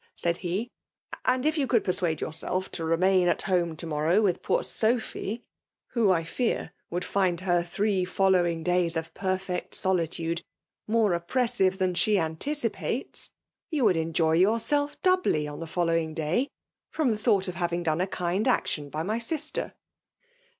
" sttld be ; ''and if you ooudd perauade jmsaelE to remain at home termer* roar mth poar Sophy, (who, I fear> ipoald find her thsee fellowing days of perfect soUtade mese oppressivo than she antieipates,) yow vAoald enjoy yourseif doubly on the following day, from the thought of having done a kind action by my sister.''